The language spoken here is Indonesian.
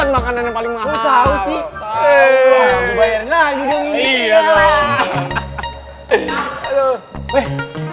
makanan yang paling mahal tahu sih